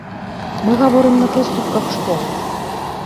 Мы гаворым на прыступках школы.